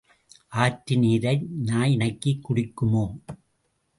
ஆற்று நீரை நாய் நக்கிக் குடிக்குமோ?